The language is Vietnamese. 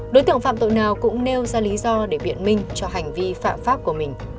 đối tượng phạm tội nào cũng nêu ra lý do để biện minh cho hành vi phạm pháp của mình